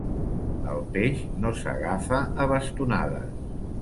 El peix no s'agafa a bastonades.